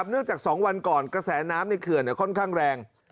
เนื่องจาก๒วันก่อนกระแสน้ำในเขื่อนค่อนข้างแรง